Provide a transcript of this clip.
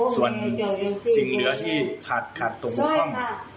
ส่วนสิ่งเหลือที่ขาดขาดตรงบุคคล่อง